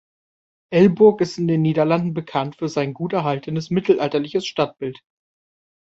Elburg ist in den Niederlanden bekannt für sein gut erhaltenes mittelalterliches Stadtbild.